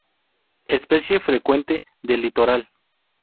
Especie frecuente de litoral.